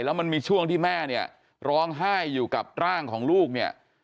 แล้วมันมีช่วงที่แม่เนี่ยร้องไห้อยู่กับร่างของลูกเนี่ย